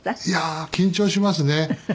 いやー緊張しますね。